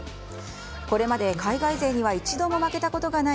これまで海外勢には一度も負けたことのない